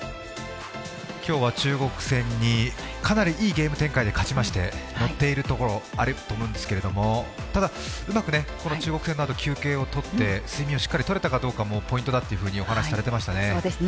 今日は中国戦にかなりいい展開で勝ちまして、のっているところがあると思うんですけれどもただ、うまく中国戦のあと休憩をとって睡眠をしっかりとれたかどうかがポイントだとお話しされていましたね。